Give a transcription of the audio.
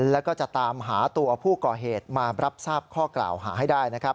แล้วก็จะตามหาตัวผู้ก่อเหตุมารับทราบข้อกล่าวหาให้ได้นะครับ